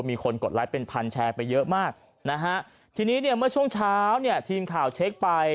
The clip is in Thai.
มีคนกดไลค์เป็นพันแชร์ไปเยอะมากนะฮะทีนี้เนี่ยเมื่อช่วงเช้าเนี่ยทีมข่าวเช็คไป